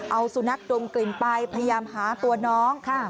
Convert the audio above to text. เอาสุนัขดมกลิ่นไปพยายามหาตัวน้อง